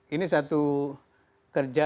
ini satu kerja